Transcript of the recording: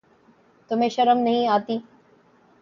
تمہیں شرم نہیں آتی؟